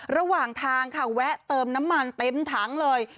ระหว่างทางค่ะแวะเติมน้ำมันเต็มถังเลย